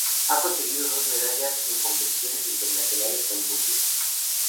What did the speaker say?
Ha conseguido dos medallas en competiciones internacionales con Rusia.